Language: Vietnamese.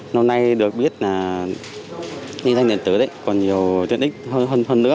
năm nay được biết là định danh điện tử còn nhiều tiện ích hơn nữa